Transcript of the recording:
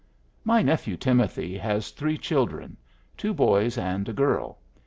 My nephew Timothy has three children, two boys and a girl.